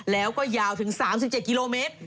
แล้วก็ยาวถึง๓๗กิโลเมตร